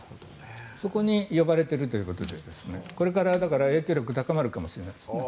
そこに呼ばれているということでこれから、だから影響力は高まるかもしれないですね。